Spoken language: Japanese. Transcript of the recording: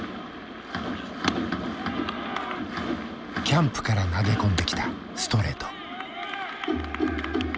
キャンプから投げ込んできたストレート。